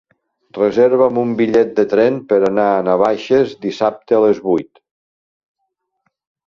Reserva'm un bitllet de tren per anar a Navaixes dissabte a les vuit.